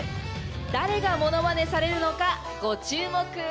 誰がものまねされるのかご注目！